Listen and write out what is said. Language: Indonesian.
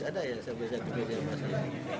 ada ya saya bisa kebedaan bahasa ini